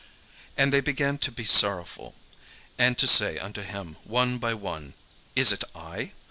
And they began to be sorrowful, and to say unto him one by one, "Is it I?"